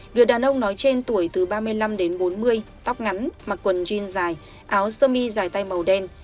người đàn ông nói trên tuổi từ ba mươi năm đến bốn mươi tóc ngắn mặc quần jean dài áo sơ mi dài tay màu đen